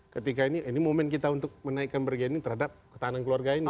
ketika ini ini momen kita untuk menaikkan bergening terhadap ketahanan keluarga ini